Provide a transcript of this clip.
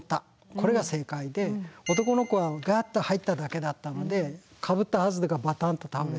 これが正解で男の子はガッと入っただけだったのでかぶったはずがバタンと倒れて。